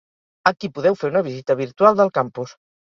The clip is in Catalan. Aquí podeu fer una visita virtual del campus.